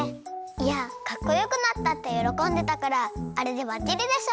いやかっこよくなったってよろこんでたからあれでバッチリでしょ！